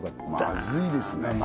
まずいですね